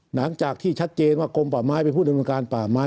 หลังจากที่ชัดเจนว่ากลมป่าไม้เป็นผู้ดำเนินการป่าไม้